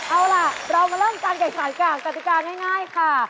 เอาล่ะเรามาเริ่มกันกับสารกลางกรรติกาง่ายค่ะ